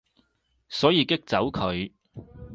所以激走佢